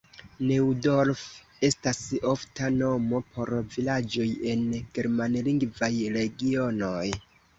Neudorf estas ofta nomo por vilaĝoj en germanlingvaj regionoj.